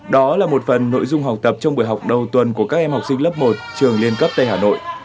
đó là một phần nội dung học tập trong buổi học đầu tuần của các em học sinh lớp một trường liên cấp tây hà nội